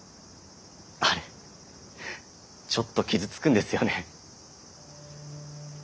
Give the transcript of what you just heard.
あれちょっと傷つくんですよね。